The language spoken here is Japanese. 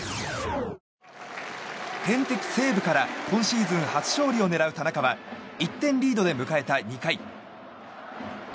天敵・西武から今シーズン初勝利を狙う田中は１点リードで迎えた２回。